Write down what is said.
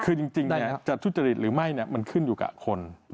คือจริงจะทุจริตหรือไม่มันขึ้นอยู่กับคน